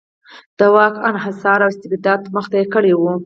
د واک انحصار او استبداد ته مخه کړې وه.